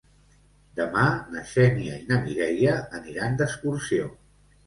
Demà na Xènia i na Mireia aniran d'excursió.